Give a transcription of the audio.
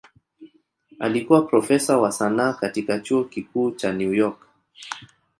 Alikuwa profesa wa sanaa katika Chuo Kikuu cha New York.